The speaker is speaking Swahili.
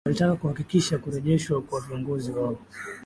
walitaka kuhakikishiwa kurejeshwa kwa viongozi wao